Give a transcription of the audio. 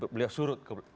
beliau surut ke